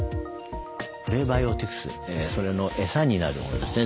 プレバイオティクスそれのエサになるものですね